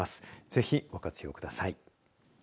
ぜひ、ご活用ください。